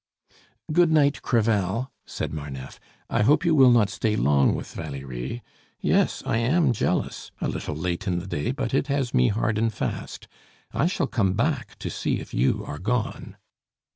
"Good night, Crevel," said Marneffe. "I hope you will not stay long with Valerie. Yes! I am jealous a little late in the day, but it has me hard and fast. I shall come back to see if you are gone."